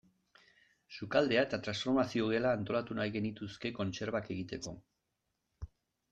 Sukaldea eta transformazio gela antolatu nahi genituzke kontserbak egiteko.